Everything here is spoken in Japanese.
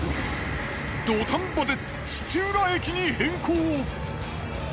土壇場で土浦駅に変更！